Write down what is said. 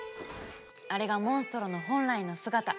あれがモンストロの本来の姿。